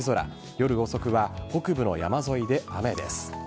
夜遅くは北部の山沿いで雨です。